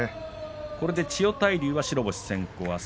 これで千代大龍白星先行。